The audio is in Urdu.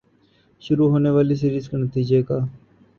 شروع ہونے والی سیریز کے نتیجے کا